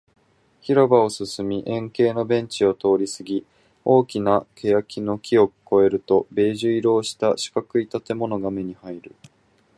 広場を進み、円形のベンチを通りすぎ、大きな欅の木を越えると、ベージュ色をした四角い建物が目に入る